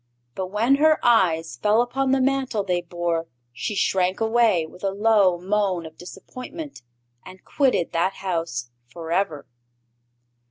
But when her eyes fell upon the Mantle they bore she shrank away with a low moan of disappointment and quitted that house forever.